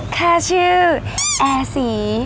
ข้าชื่อแอศี